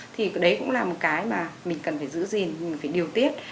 thì đấy cũng là một cái mà mình cần phải giữ gìn mình phải điều tiết